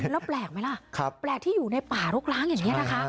แล้วแปลกไหมล่ะแปลกที่อยู่ในป่ารกร้างอย่างนี้นะคะ